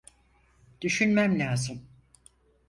Düşünmem lazım.